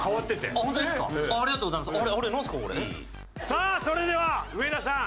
さあそれでは上田さん